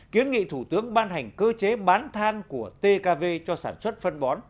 kiến nghị thủ tướng ban hành cơ chế bán than của tkv cho sản xuất phân bón